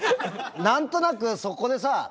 何となくそこでさ